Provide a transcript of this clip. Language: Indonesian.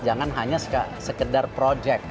jangan hanya sekedar project